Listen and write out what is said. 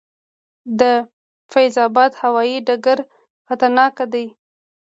د فیض اباد هوايي ډګر خطرناک دی؟